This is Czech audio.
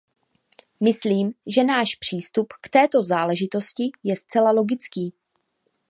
Myslím, že náš přístup k této záležitosti je zcela logický.